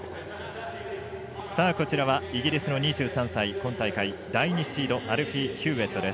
イギリスの２３歳今大会、第２シードアルフィー・ヒューウェット。